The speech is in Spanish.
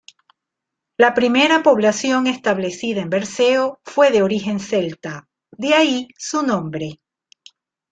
La primera población establecida en Berceo fue de origen celta, de ahí su nombre.